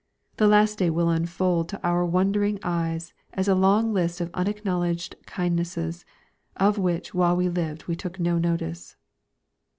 The last day will unfold to our wondering eyes a long list of unacknowledged kindnesses, of which while we lived we took no notice.